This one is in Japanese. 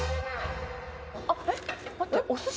あっえっ？